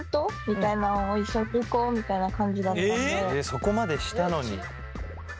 そこまでしたのに。